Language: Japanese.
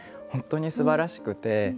本当にすばらしくて。